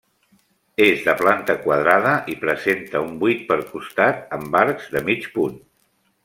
És de planta quadrada i presenta un buit per costat, amb arcs de mig punt.